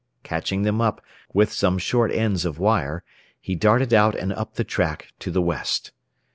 Catching them up, with some short ends of wire, he darted out and up the track to the west.